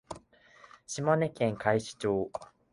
島根県海士町